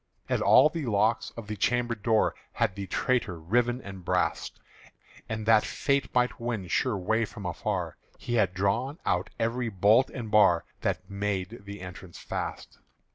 And all the locks of the chamber door Had the traitor riven and brast; And that Fate might win sure way from afar, He had drawn out every bolt and bar That made the entrance fast.